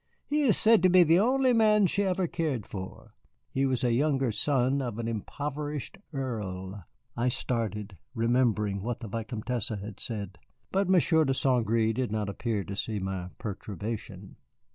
He is said to be the only man she ever cared for. He was a younger son of an impoverished earl." I started, remembering what the Vicomtesse had said. But Monsieur de St. Gré did not appear to see my perturbation.